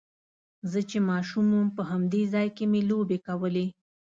زه چې ماشوم وم په همدې ځای کې مې لوبې کولې.